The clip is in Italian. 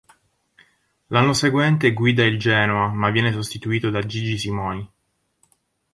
L'anno seguente guida il Genoa, ma viene sostituito da Gigi Simoni.